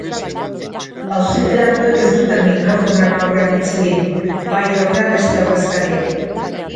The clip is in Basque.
Auziperatuek ez dute mikrofonoen aurrean hitz egin, bai ordea beste ordezkariek.